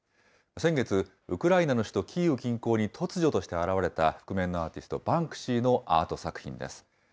先月、ウクライナの首都キーウ近郊に、突如として現れた覆面のアーティスト、バンクシーのアート作品です。